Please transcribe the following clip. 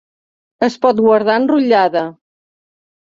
Es pot guardar enrotllada.